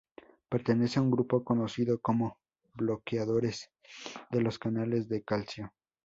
Pertenece a un grupo conocido como bloqueadores de los canales de calcio.